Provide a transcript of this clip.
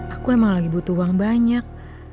aku emang lagi butuh uang banyak